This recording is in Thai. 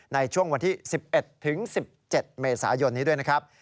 ในช่วงวันที่๑๑ถึง๑๗เมษายนนี้ด้วยนะครับ